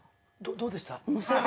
どうでした？